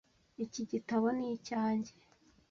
Iki gitabo ni icyanjye .